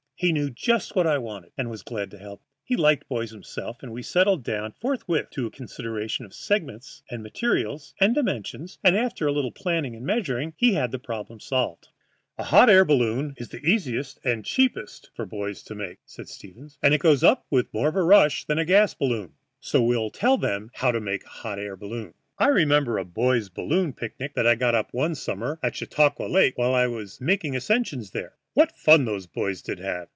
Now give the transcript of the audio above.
He knew just what I wanted, and was glad to help me. He liked boys himself, and we settled down forthwith to a consideration of segments and materials and dimensions and, after a little planning and measuring, he had the problem solved. "A hot air balloon is the easiest and cheapest for boys to make," said Stevens, "and it goes up with more of a rush than a gas balloon. So we'll tell them how to make a hot air balloon. I remember a boys' balloon picnic that I got up one summer at Chautauqua Lake while I was making ascensions there. What fun those boys did have!